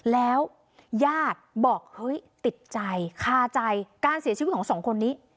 แล้วญาติบอกเฮ้ยติดใจคาใจการเสียชีวิตของสองคนนี้